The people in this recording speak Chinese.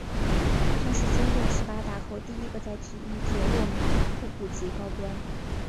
他是中共十八大后第一个在体育界落马的副部级高官。